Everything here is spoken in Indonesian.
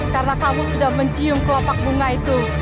karena kamu sudah mencium kelopak bunga itu